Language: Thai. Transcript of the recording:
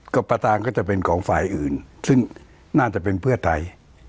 ก็ประธานก็จะเป็นของฝ่ายอื่นซึ่งน่าจะเป็นเพื่อไทย